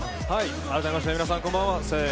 改めまして皆さんこんばんは。